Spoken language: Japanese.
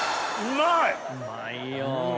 うまいよ。